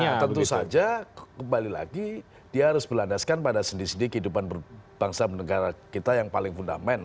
ya tentu saja kembali lagi dia harus berlandaskan pada sendi sendi kehidupan bangsa menegara kita yang paling fundament